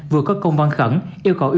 vừa có công văn khẩn yêu cầu